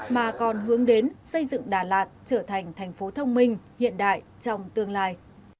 mà còn hướng đến xây dựng đà lạt trở thành thành phố thông minh hiện đại trong tương lai